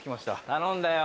頼んだよ。